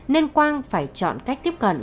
nên quang phải chọn cách tiếp cận